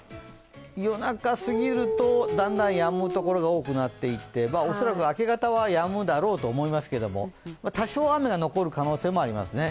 夜中過ぎるとだんだんやむところが多くなっていって恐らく明け方はやむだろうと思いますけど多少、雨が残る可能性もありますね